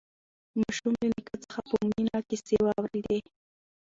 ماشوم له نیکه څخه په مینه کیسې واورېدې